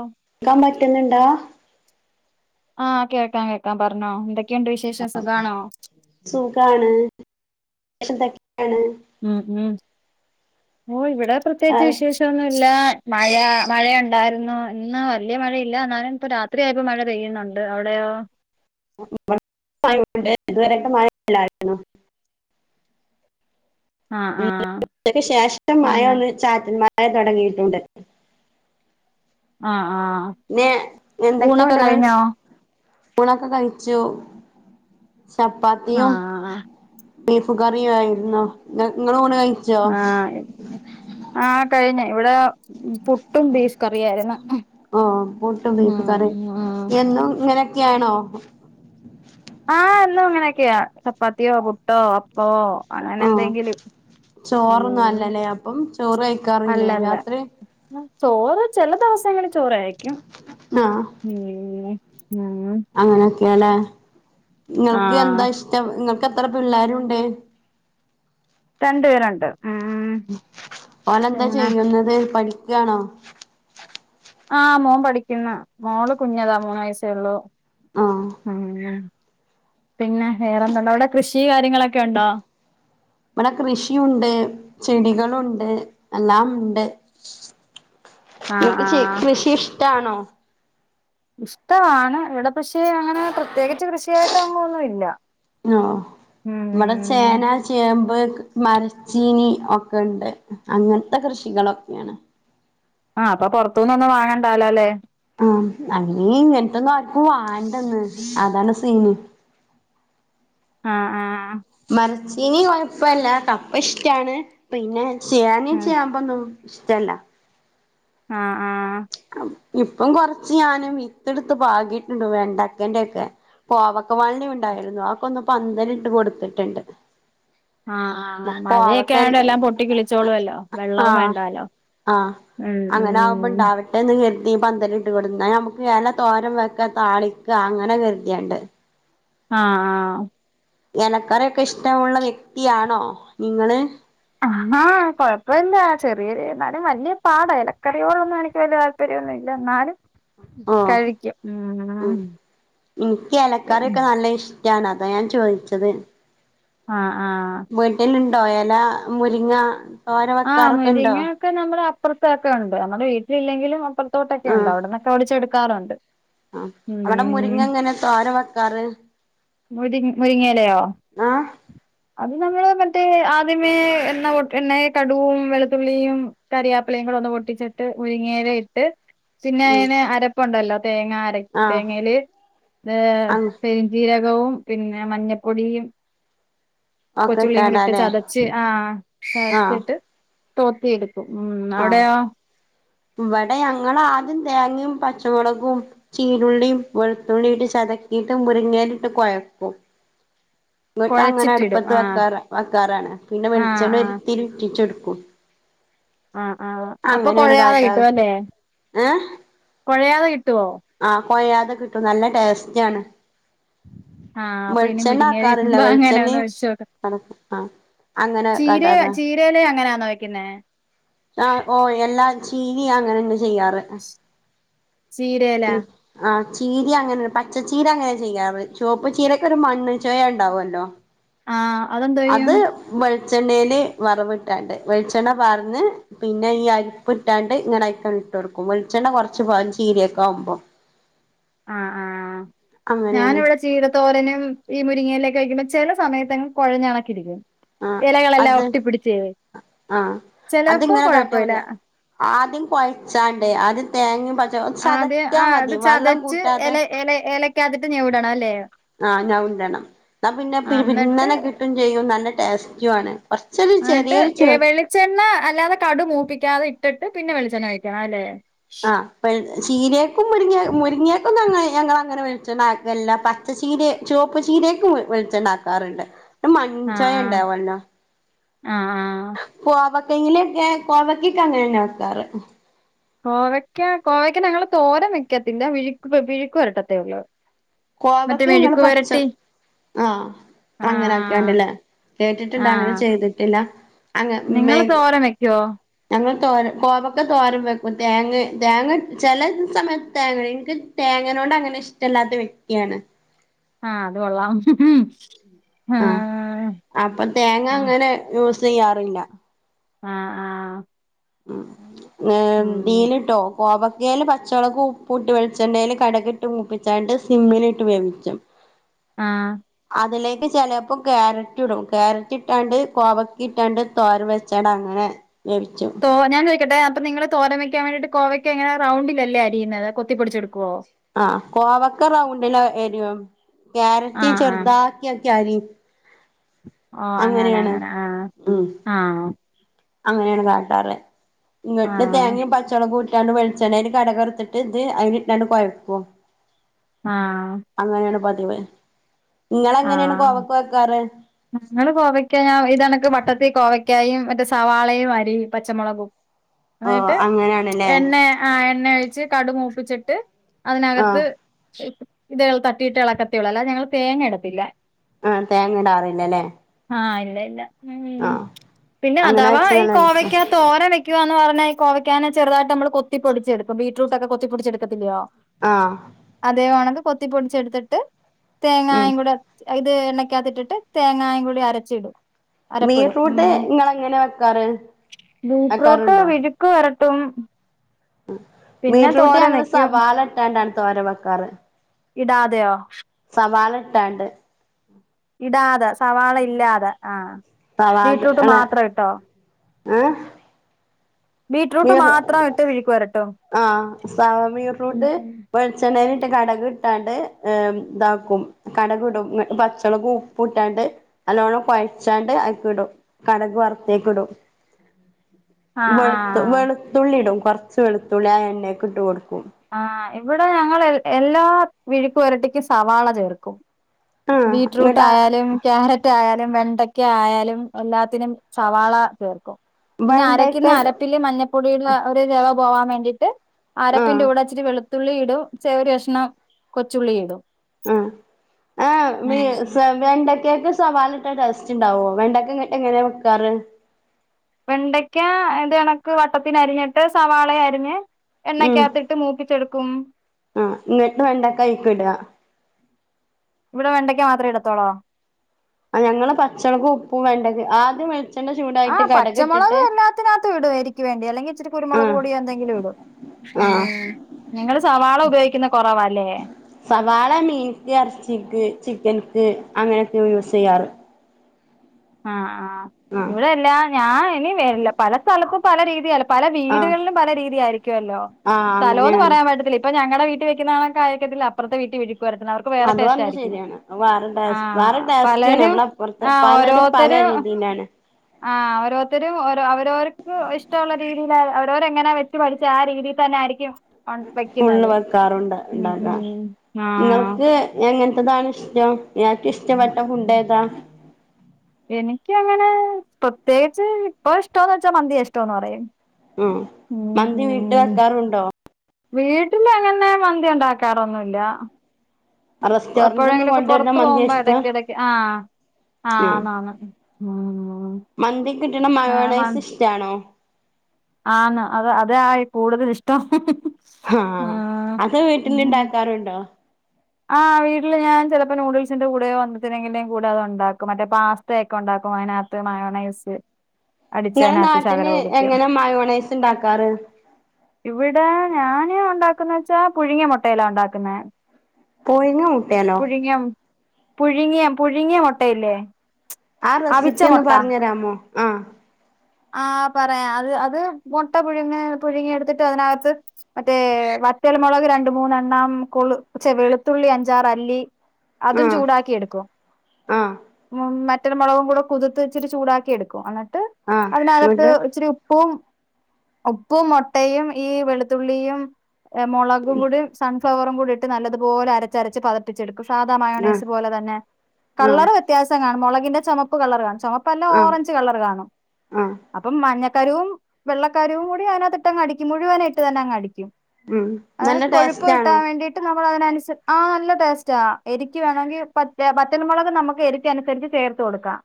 ഓ ക്കാൻ പറ്റുന്നുണ്ടോ? ആഹ് കേക്കാം കേക്കാം പറഞ്ഞോ എന്തൊ എന്തൊക്കെണ്ട് വിശേഷം സുഖാണോ? സുഖാണ് [unintelligible] ഉം ഉം [unintelligible] ഇവിടെ ആ പ്രത്യേകിച്ച് വിശെഷൊന്നുല്ലാ മയാ മഴയുണ്ടായിരുന്നു ഇന്ന് വല്ല്യ മഴയില്ല എന്നാലും ഇപ്പൊ രാത്രിയായപ്പപ്പോ മഴ പെയ്യുന്നുണ്ട് അവിടെയോ [unintelligible] ആഹ് ആഹ് ച്ചക്ക് ശേഷം മയ പിന്നെ ഒന്ന് ചാറ്റൽ മയ് മയ തൊട്ങ്ങീട്ട്ണ്ട് ആഹ് ആഹ് പിന്നെ ഊണൊക്കെ എന്തൊക്കെയുണ്ട് ഇങ്ങളെ കഴിഞ്ഞോ വിശേ ഊണൊക്കെ കഴിച്ചു ചപ്പാത്തിയും ആഹ് ബീഫ് കറിയും ആയിരുന്നു ഇങ്ങള് ഊണ് കയി ആഹ് ആഹ് കഴിഞ്ഞ് ഇവിടെ പുട്ടും ബീഫ് കറിയായിരുന്നു ഓ പുട്ടും ഉം ഉം ക്കെയാണോ ആഹ എന്നും അങ്ങനെക്കെയാ ചപ്പാത്തിയോ പുട്ടോ അപ്പോ ആ ഉം ചോറൊന്നല്ലല്ലേ അപ്പം ചോറ് കഴിക്കാറില്ലേ അല്ലല്ല രാത്രി ആ, ചോറ് ചെല ദിവസങ്ങളിൽ ചോറ് ആയിരിക്കും ആഹ് ഉം അങ്ങനെ [unintelligible] നിങ്ങൾക്ക് ആഹ് എന്താ ഇഷ്ടം ഇങ്ങ നിങ്ങക്ക് എത്ര പിള്ളേരുണ്ട് രണ്ട് പേരൊണ്ട് ഓലെന്താ ചെയ്യുന്നത് പഠി ക്കാണോ ആഹ് മോൻ പഠിക്ക്ന്ന് മോള് കുഞ്ഞതാ മൂന്ന് വയസ്സേ ഉള്ളു ആഹ് ഉം ന പിന്നെ വേറെന്തൊണ്ട് അവിടെ കൃഷി കാര്യങ്ങളൊക്കെ ഒണ്ടോ ഇവിടെ കൃഷിയുണ്ട് ചെടികളുണ്ട് എല്ലാമുണ്ട് നു ആഹ് കൃ ആഹ് കൃഷി ഇഷ്ടാണോ ഇഷ്ടവാണ് ഇവിടെ പഷേ അങ്ങനെ പ്രത്യേക കൃഷിയായിട്ടൊന്നൊന്നുല്ല ആഹ് ഇവിടെ ഉം ചേന ചേമ്പ് മരച്ചീനി ഒക്കെ ഇണ്ട് അങ്ങൻത്തെ കൃഷികളൊക്ക്യാണ് ആ അപ്പൊ പൊറത്തൂന്നൊന്നും വാങ്ങണ്ടാല്ലോലെ ആ അയ്നീ ഇങ്ങൻത്തൊന്നാർക്കും വാണ്ടന്ന് അതാണ് സീന് ആ ആ മര ചീനി കൊഴപ്പല്ല കപ്പ ഇഷ്ഠാണ് പിന്നെ ചേനിം ആഹ് ചേമ്പൊന്നും ഇഷ്ട ഇല്ല ആ ആ ഇപ്പം കൊർച്ച് ഞാനും വിത്തിട്ത്ത് പാകിട്ട് ഇണ്ട് വെണ്ടക്കന്റെക്കെ കോവക്കവള്ളി ഉണ്ടായിരുന്നു അതൊക്കൊന്ന് പന്തലിട്ട് കൊട്ത്ത്ട്ട് ഇണ്ട് ആ ആ മഴയൊക്കെ ആയൊണ്ട് എല്ലാം പൊട്ടിക്കിളിച്ചോളും അല്ലോ വെള്ളവും ആഹ് വേണ്ടാലോ ആഹ് ഉം ഉം ത്തി പന്തലിട്ട് കൊട്ന്നാ നമ്മ്ക്ക് എല തോരം വെക്ക താളിക്ക അങ്ങനെ കര്തിയാണ്ട് ആ ആ എലക്കറി ഒക്കെ ഇഷ്ടമുള്ള വ്യക്തിയാണോ നിങ്ങള് ആ കൊഴപ്പല്ലാ ചെറിയൊര്ന്നാലും വല്യ പാടാ എലക്കറിയോടൊന്നും എനിക്ക് വല്യ താല്പര്യോന്നും ഇല്ല ഇന്നാലും ഓഹ് കഴിക്കും ഉം ട്ടാണ് അതാ ഞാൻ ചോയിച്ചത് ആ വീട്ടില് ഇണ് ണ്ടോ എല മുരിങ്ങ തോര ആ വെക്കാറൊക്കെ ഉണ്ടോ മുരിങ്ങ ഒക്കെ നമ്മളെ അപ് അപ്രത്തൊക്കെ ഉണ്ട് നമ്മടെ വീട്ടിൽ ഇല്ലെങ്കിലും അപ്ര തോട്ടൊക്കെ ഉണ്ടോ അവിട്ന്നൊക്കെ ഒടിച്ചെട് ക്കാറുണ്ട് ആ അവിടെ മുരിങ്ങ എങ്ങനെ തോരം വെക്കാറ് മുരി മുരിങ്ങയെലയോ ആഹ് അത് ഞമ്മൾ വെ ട്ട് ആദ്യമേ എണ്ണ പോട്ട് എണ്ണ കട്കും വെളുത്തുള്ളിയും കറിയാപ്പിലയും കൂടെ ഒന്ന് പൊട്ടിച്ചിട്ട് മുരിങ്ങേല ഇട്ട് പിന്നെ ഉം അയിന് അരപ്പുണ്ടല്ലോ തേങ്ങഅര ആഹ് തേങ്ങയില് ന്ന് അങ്ങ് പെരിഞ്ചീരം ള്ളവും പിന്നെ മഞ്ഞപ്പൊടിയും ഒക്കെ കൊച്ചുള്ളിക്കൂടി ഇട്ട് ഇട്ടാണ്ടാല്ലേ ചതച്ച് ആ ആഹ് തോത്തി എട് ഉം ആഹ് അവിടെയോ ഇവിടെ ഞങ്ങൾ ആദ്യം തേങ്ങിമം പച്ചമുളകും ചീരുള്ളിയും വെളുത്തുള്ളിട്ട് ചതക്കിയിട്ട് മുരിങ്ങെലിട്ട് കൊഴക്കും ഇങ്ങട്ട് അങ്ങനെ കുഴച്ചിട്ടിടും അടുപ്പത്ത് ആ വെക്കാറാ വെക്കാറാണ് പിന്നെ ആ വെളിച്ചെണ്ണ ആ ഒരുത്തിരി ഉറ്റിച്ച് കൊട് ക്കു ആ ആ അപ്പൊ കൊഴയാതെ കിട്ടും അല്ലേ കൊഴയാതെ കി ട്ടോ ആ കൊയയാതെ കിട്ടും നല്ല ടേസ്റ്റ് ആണ് ആ അപ്പൊ ഇനി മുരിങ്ങല ആക്കാറില്ല കിട്ടുമ്പോ അങ്ങനെ ഒന്ന് വെളിച്ചെണ്ണയും വെച്ചോക്ക ആഹ് അങ്ങനെ ചീര കാട്ടാറാ ചീരയിലെ അങ്ങനാന്നോ വെ ക്ക്‌ന്നേ ആ ഓ എല്ലാ തു ചീരംഅങ്ങനെ ന്നെ ചെയ്യാറ് ചീരേ ലെ. ചീരി അങ്ങനെ പച്ചീര അങ്ങനെ ചെയ്യാറ് ചുവപ്പ് ചീരൊക്കെ ഒരു മണ്ണ് ചോയ ഉണ്ടാവുല്ലോ. ആ അതെന്താ ചെയ്യും. വെളിച്ചെണ്ണയിൽ വറവ് ഇട്ടാണ്ട് വെളിച്ചെണ്ണ പാർന്ന് പിന്നെ ഈ അരപ്പ് ഇട്ടാണ്ട് ഇങ്ങനെ അയ്ക്കണ്ട് ഇട്ട് കൊടുക്കും വെളിച്ചെണ്ണ കൊറച്ച് പാരും ചീരേയേ താവുമ്പം. ആഹ് ആഹ് ഞാനിവിടെ ചീരത്തോരനും ഈ മുരിങ്ങയിലൊക്കെ വെക്കുമ്പം ചില സമയത്തെങ്ങ് കൊഴഞാണക്കെ ഇരിക്കും. ആഹ് അത് ആഹ് ചിലപ്പോ അതിങ്ങനെ കാട്ടിയാൽ കുഴപ്പമില്ല മതിയാ ആദ്യം കുഴച്ചാണ്ടേ ആദ്യം തേങ്ങിം. ആ അത് അത് ചതച്ച് കൂട്ടാതെ ഇലേ ഇലേ ഇലേ ക്ക് അകത്തിട്ട് ഞവ്ടണം അല്ലേ. ആ ഞഉണ്ടണം എന്നാ പിന്നെ ആ പിരുപിരുന്ന എന്നിട്ട് നെ കിട്ടും ചെയ്യും നല്ല ടെസ്റ്റും ആണ്. കൊറച്ചൊരു എന്നിട്ട് ചെറിയൊരു ഏ ചു വെളിച്ചെണ്ണ അല്ലാതെ കടു മൂപ്പിക്കാതെ ഇട്ടി പിന്നെ വെളിച്ചെ ഒഴിക്കണം അല്ലെ. ആ വെൾ ചീരെക്കും മുരിങ്ങേ മുരിങ്ങേക്കുന്നും അങ്ങനെ ഞങ്ങൾ അങ്ങനെ വെളിണ്ണ ആക്കല്ല പച്ചച്ചീരേ ചുവപ്പ് ചീരേക്ക് വെളിച്ചണ്ണ ആക്കാറുണ്ട്. രു മൺ ആ ചോയ ആ ഉണ്ടാവല്ലോ. ആ ആ കോവക് കെങ്ങിലെക്കെ കോവക്കൊക്കെ അങ്ങനെന്നെ വെക്കാറ് കോവയ്ക്ക കോവയ്ക്ക ഞങ്ങൾ തോരൻ വെക്കത്തില്ല വിഴുക്ക് വിഴുക്ക് പുരട്ടത്തേ ഉള്ളൂ മറ്റേ കോവക്ക ഞങ്ങള് മെഴുക്ക് പച്ച വരട്ടി ആ ആ അങ്ങനൊക്കെയിണ്ടല്ലേ ആ ആ കേട്ടിട്ടുണ്ട് അങ്ങനെ ചെയ്തിട്ടില്ല അങ്ങ മേ നിങ്ങള് തോരൻ വെക്കുവോ ഞങ്ങൾ തോരൻ കോവക്ക തോരൻ വെക്കും തേങ്ങ തേങ്ങ ചില സമയത്ത് തേങ്ങ എനിക്ക് തേങ്ങനോണ്ട് അങ്ങനെ ഇഷ്ടല്ലാത്ത വ്യക് യാണ് ആ അത് കൊള്ളാം ആ ആഹ് അപ്പൊ തേങ്ങ ആ അങ്ങനെ യുസ് തയ്യാറില്ല ആ ആ ഉം നീലിട്ടോ കോവ യെല് പച്ചൊളകും ഉപ്പൂട്ട് വെളിച്ചണ്ണേൽ കടക് ഇട്ട് മൂപ്പിച്ചാണ്ട് സിമ്മിലിട്ട് വേവിച്ചും ആഹ് അതിലേക്ക് ചിലപ്പോ ക്യാരറ്റ് ഇടും ക്യാരറ്റ് ഇട്ടാണ്ട് കോവക്കിം ഇട്ടാണ്ട് തോര വെച്ചാണ്ട് അങ്ങനെ വേവിച്ചും ഓ ഞാൻ ചോയ്ക്കട്ടെ അപ്പ നിങ്ങള് തോരൻ വെക്കാൻ വേണ്ടീട്ട് കോവയ്ക്ക് ങ്ങനെ റൗണ്ടിലല്ലേ അരിയുന്നത് കൊത്തിപ്പൊടിച്ചെടുക്കുവോ ആഹ് കോവക്ക റൗണ്ടിലെ എര്യും ക്യാരറ്റ് ആഹ് ആഹ് ചെറുതാക്കി ക്ക്യരിം ഓ അങ്ങനെ അങ്ങനെ ആഹ് ഉം ആഹ് അങ്ങനെയാണ് കാട്ടാറ് ഇങ്ങട്ട് ആഹ് തേങ്ങയും പച്ചൊളകു ട്ടാണ് വെളിച്ചെണ്ണേൽ കടുക് വറുത്തിട്ട് ഇത് അയ്‌ല്ട്ടാണ്ട് കൊഴക്കും ആഹ് വേ ഇങ്ങളെങ്ങനെയാണ് ആഹ് കോവക്ക വെക്കാറ് ഉ [unintelligible] ഞങ്ങള് കോവയ്ക്ക ഞ ഇതണക്ക് വട്ടത്തി കോവയ്ക്കായും മറ്റേ സവാളയും അരിയും പച്ചമുളകും ഓ എന്നിട്ട് അങ്ങനെയാണല്ലേ എണ്ണ ആ എണ്ണ ഒഴിച്ച് കടു മൂപ്പിച്ചിട്ട് ആഹ് അതിനകത്ത് ഇതേൽ തട്ടിയിട്ട് എളക്കത്തേയൊള്ളൂ അല്ല ഞങ്ങൾ തേങ്ങ ഇടത്തില്ല ആഹ് തേങ്ങ ഇടാറില്ലലേ ആഹ് ഇല്ല ഇല്ല ഉം പിന്നെ അങ്ങനെ അഥവാ വെച്ചാ ഈ നല്ല രസാ കോവയ്ക്ക തോര വെ ക്കുവാന്ന് പറഞ്ഞാൽ കൊവയ്ക്കങ്ങനെ ചെറ്തായിട്ട് നമ്മള് കൊത്തിപ്പൊടിച്ചെടുക്കും ബീട്രൂട്ട് ഒക്കെ കൊത്തി പൊട്ടിച്ചെടുക്കത്തില്ലയോ ആഹ് അതേ വാണത് കൊത്തി പൊടിച്ചെടുത്തിട്ട് ഉം തേങ്ങായും കൂടെ ഇത് എണ്ണയ്ക്കാത്തിട്ടിട്ട് തേങ്ങായും കുടി അരച്ചിടും അരപ്പിടും ബീറ്റ്‌റൂട്ട് ഉം ഇങ്ങള് എങ്ങനെ വെക്കാറ് വെക്കാറുണ്ടോ ട്ടും ബീറ്റ്‌റൂട്ട് ഞങ്ങള് സവാല ഇട്ടാണ്ടാ തോരൻ വക്കാറ് ഇടാതെയോ സവാള ഇട്ടാണ്ട് ഇടാതെ [unintelligible] സവാള ഇല്ലാതെ ആ ബീറ്റ്‌റൂട്ട് സവാള മാത്രം ഇട്ടോ ഏഹ് ബീറ്റ്റൂട്ട് മീർ മാത്രം ഇട്ട് വിഴുക്ക് വരട്ടും ആ [unintelligible] ഉം ബീറ്റ്റൂട്ട് ഉം വെളച്ചെണയി ട്ട് കടുക് ഇട്ടാണ്ട് ഇതാക്കും കടക് ഇടും പച്ചമുളക് ഉപ്പ് ഇട്ടാണ്ട് നല്ലോണ്ണം പഴച്ചാണ്ട് അക്കെ ഇടും കടക് വറുത്തേക്ക് ഇടും ആ ആ [unintelligible] വെളുത്തുള്ളി ഇടും കുറച്ച് വെളുത്തുള്ളി ആ എണ്ണ ഒക്കെ ഇട്ട് കൊടുക്കും ആ ഇവിടെ ഞങ്ങള് എല്ലാ വിഴുക്ക് വരട്ടിക്ക് സവാള ചേർക്കും ആഹ് ബീറ്റ്റൂട്ട് ഇങ്ങട്ട് ആയാലും ക്യാരറ്റായാലും വെണ്ടയ്ക്ക ആയാലും എല്ലാത്തിനും സവാള ചേർക്കും പിന്നെ അരക്കുന്ന വെണ്ടക്കക്ക് അരപ്പില് മഞ്ഞപ്പൊടിയുള്ള ഒരു രവം പോവാൻ വേണ്ടിയിട്ട് ആഹ് അരപ്പിൻറെ കൂടെ ഇച്ചിരി വെളു തുള്ളി ഇടും ചെറിയ കഷ്ണം കൊച്ചുള്ളി ഇടും ആ മി [unintelligible] വെണ്ടക്കാക്ക് സവാള ഇട്ട ടെസ്റ്റ് ഉണ്ടാവോ വെണ്ടക്ക എങ്ങനെ എങ്ങനെ വക്കാറ് വെണ്ടയ്ക്ക ഇത് കണക്ക് വട്ടത്തിന് അരിഞ്ഞട്ട് സവാള അരിഞ്ഞ് ഉം എണ്ണക്കകത്തിട്ട് മൂപ്പിച്ചെടുക്കും ആ എന്നിട്ട് വെണ്ടക്ക അഴിക്ക് വിട ഇവിടെ വെണ്ടക്ക മാത്രേ എടത്തോളോ ആ ഞങ്ങള് പച്ചമുളകും ഉപ്പും വേണ്ടത് ആദ്യം [unintelligible] ഇ ആഹ് പച്ചമുളക് എല്ലാത്തിനാത്ത് ഇടുമായിരി ക്കും [unintelligible] അല്ലെങ്കി ഇച്ചിരി ആ കുരുമുളക് പൊടിയൊ എന്തെങ്കിലും ഇടും ആ ഉം നിങ്ങള് സവാള ഉപയോഗിക്കുന്ന കുറവാല്ലേ സവാള ക്ക് അങ്ങനെയൊക്കെ യൂസെയ്യാറ് ആ ആഹ ഇവിടെല്ല ഞാൻ ഇനി വരില്ല പല സ്ഥലത്തും പല രീതി പല ആ വീടുകളിലും പല രീതി ആായിരിക്കുവല്ലോ ആ സ്ഥലം എന്ന് അങ്ങനെയാണ് പറയാൻ പറ്റത്തില്ല ഇപ്പ ഞങ്ങളുടെ വീട്ട [unintelligible] കായക്കത്തില്ല അപ്പുത്തെ വീട്ടി അത് വന്ന ശരിയാണ് വേറെ വേറെ ആഹ് [unintelligible] പലരും എമ്മടെപ്പറത്തെ പലരും പല രീതിലാണ് ആഹ ഓരോരുത്തരുംഓരോ അവരോർക്ക് ഇഷ്ടമുള്ള രീതിൽ അവരോരെങ്ങനാ വെച്ചു പഠിച്ച ആ രീതിയിൽ തന്നെ ആയിരിക്കും ഫുള്ള് വെക്കുന്നത് വെക്കാറുണ്ട് ഉം ഉം ഇണ്ടാക്കാൻ നിങ്ങൾ ക്ക് എങ്ങന ത്തതാണ് ഇഷ്ടം നിനക്ക് ഇഷ്ടപ്പെട്ട ഫുഡേതാ ആഹ് എനിക്കങ്ങനെ പ്രത്യേകിച്ച് ഇപ്പ ഇഷ്ടോന്ന് വെച്ചാ മന്തി ഇഷ്ടോന്ന് പറയും ഉം മന്തി വീട്ട് വെക്കാറുണ്ടോ വീട്ടില അങ്ങനെ മന്തി ഉണ്ടാക്കാറൊന്നുല്ല റെസ്റ്റോറന്റ്ന്ന് എപ്പോഴെങ്കിലൊക്കെ കൊണ്ടുവരുന്ന പൊറത്ത് മന്തിയാ പോകുമ്പോ ഇഷ്ടം ഇടക്ക ഇടക്ക് ആ ആ ആന്ന് ആന്ന് മന്തി കിട്ടണ ആ മയോണൈസ് [unintelligible] ഇഷ്ടാണോ ആന്ന് അത് അതായി കൂടുതൽ ഇഷ്ടം ഹാ ആഹ് അത് വീട്ടില് ഉം ഇണ്ടാക്കാറുണ്ടോ ആഹ് വീട്ടില് ഞാൻ ചിലപ്പോ നൂഡിൽസിന്റെ കൂടെയോ [unintelligible] കൂടെ അത്ണ്ടാക്കും മറ്റേ പാസ്തയെക്കെ ഉണ്ടാക്കും അതിനകത്തു മയോണൈസ് ഇങ്ങളെ അടിച്ചേനകത്ത് ശകല നാട്ടില് ഒഴിക്കും എങ്ങനെ മയോണൈസ് ഇണ്ടാക്കാറ് ഇവിടെ ഞാന് ഉണ്ടാ ക്കുന്നെ വെച്ചാ പുഴുങ്ങിയ മുട്ടയിലാ ഉണ്ടാക്കുന്നേ പോയിങ്ങ മുട്ടേലോ പുഴുങ്ങിയ പുഴുങ്ങിയ പുഴുങ്ങിയ മുട്ടയില്ലേ ആ അവിച്ച റെസിപ്പ്യൊന്ന് മുട്ട പറഞ് തരാമോ ആ ആഹ് പറയാ അത് അത് മുട്ട പുഴുങ്ങ പുഴുങ്ങിഎടുത്തിട്ട് അതിനകത്ത് മറ്റേ വറ്റൽമുളക് രണ്ട് മൂന്നെണ്ണം കൊള് ചെ വെളുത്തുള്ളി അഞ്ചാറ് അല്ലി അതും ചൂടാക്കി എടുക്കും ആഹ് വറ്റൽ മുളകും കൂടെ കുതിർത്ത് വെച്ചിട്ട് ചൂടാക്കി എടുക്കും അന്നി ട്ട് ആഹ് ആഹ് അതിനകത്ത് ഇങ്ങട്ട് ഇച്ചിരി ഉ ഉപ്പും ഉപ്പും മൊട്ടയും ഈ വെളുത്തുള്ളിയും ഏ മുളകും കൂടി സൺ ഫ്ലവറും കൂടി ഇ ട്ട് നല്ലതു പോലെ അരച്ചരച്ച് പതപ്പിച്ചെടു സാദാ ആഹ് മയോണേസ് പോലെ തന്നെ ആഹ് കളർ വ്യത്യാസം കാണും മോളെ കിന്റെ ചുമപ്പ് കളറ് കാണും ചുമപ്പല്ല ആഹ് ഓറഞ്ച് കളർ കാണും ആഹ് അപ്പ മ ഞ കരുവും വെള്ളക്കാരവും കൂടി അതിനകത്തിട്ട അങ്ങടിക്കും മുഴുവനായിട്ട് തന്നെ അങ്ങടിക്കും ഉം നല്ല ടേസ്റ്റ് ആണോ നമ്മളതിനനുസ് ആ നല്ല ടേസ്റ്റ എരിക്ക് വേണെങ്കി പ പറ്റല് മുളക് നമുക്ക് എരിക്ക അനുസരിച്ച് ചേർത്ത് കൊടുക്കാം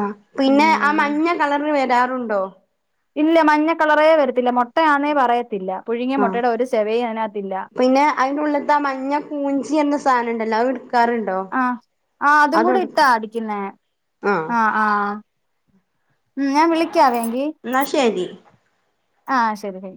ആ പിന്നെ ആ ഉം മഞ്ഞ കളറ് വരാറുണ്ടോ ഇല്ല മഞ്ഞ കളറേ വരത്തില്ല മൊ ആഹ് ചെവയും അതിനകത്തില്ല പിന്നെ അതിൻ്റുള്ള്ത്തെ മഞ്ഞ കൂഞ്ചി എന്ന സാധനണ്ടല്ലോ അഅ്ട് അ ആ അതും കൂടി ഇട്ടാ അതെടുക്കും അടിക്കുന്നേ ആഹ് ആ ആ ഉം ഞാൻ വിളി എന്നാ ശരി ആ ശരി